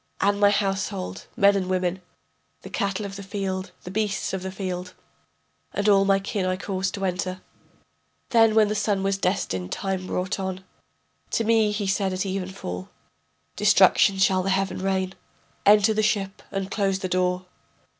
And my household, men and women, The cattle of the field, the beasts of the field, And all my kin I caused to enter. Then when the sun the destined time brought on, To me he said at even fall: Destruction shall the heaven rain. Enter the ship and close the door.